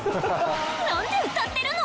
なんで歌ってるの？